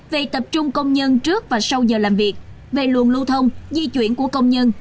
về tập trung công nhân trước và sau giờ làm việc về luồng lưu thông di chuyển của công nhân